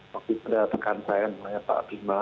waktu itu ada tekan saya yang namanya pak abisma